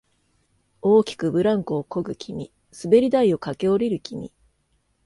大きくブランコをこぐ君、滑り台を駆け下りる君、